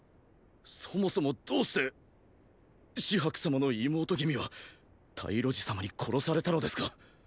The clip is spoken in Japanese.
そもそもどうして紫伯様の妹君は太呂慈様に殺されたのですか？